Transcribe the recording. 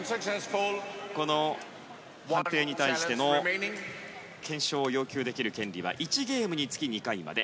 この判定に対しての検証を要求できる権利は１ゲームにつき２回まで。